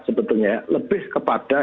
sebetulnya lebih kepada